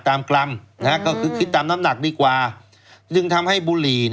กรัมก็คือคิดตามน้ำหนักดีกว่าจึงทำให้บุหรี่